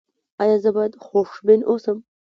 ایا زه باید خوشبین اوسم؟